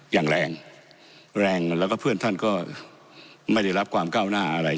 อย่างแรงแรงแล้วก็เพื่อนท่านก็ไม่ได้รับความก้าวหน้าอะไร